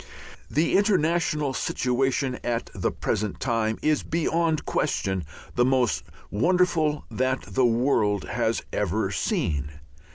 The international situation at the present time is beyond question the most wonderful that the world has ever seen.